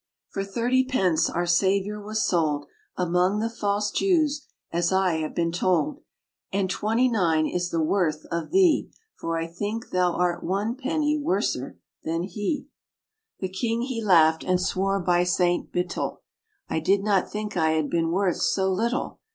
"For thirty pence our Saviour was sold Among the false Jews, as I have been told, And twenty nine is the worth of thee, For I think thou art one penny worser than he." RAINBOW GOLD The king he laughed, and swore by St. Bittel, "I did not think I had been worth so little!